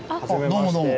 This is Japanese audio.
どうもどうも。